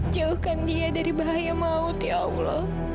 jauhkan dia dari bahaya maut ya allah